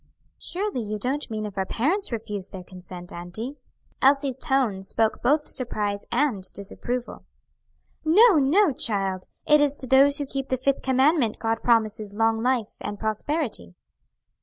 "Surely you don't mean if our parents refuse their consent, auntie?" Elsie's tone spoke both surprise and disapproval. "No, no, child! It is to those who keep the fifth commandment God promises long life and prosperity."